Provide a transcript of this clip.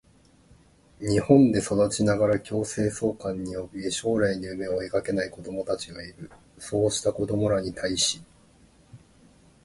日本で育ちながら強制送還におびえ、将来の夢を描けない子どもたちがいる。そうした子どもらに対し、